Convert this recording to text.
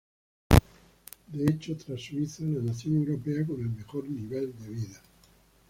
De hecho, tras Suiza, la nación europea con el mejor nivel de vida.